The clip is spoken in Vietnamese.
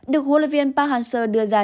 được huấn luyện viên park hansel đưa ra